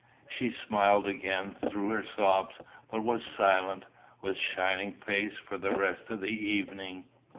She smiled again through her sobs, but was silent, with shining face, for the rest of the evening.